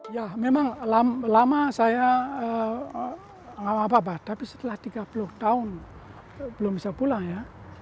ya memang lama saya nggak apa apa tapi setelah tiga puluh tahun belum bisa pulang ya